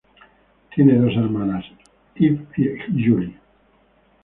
Tiene dos hermanas, Eve y Julie.